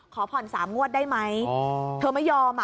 ขอผ่อน๓งวดได้ไหมเธอไม่ยอมอ่ะ